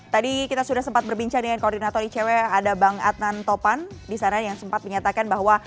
tadi kita sudah sempat berbincang dengan koordinator icw ada bang adnan topan di sana yang sempat menyatakan bahwa